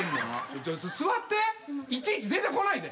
いちいち出てこないで。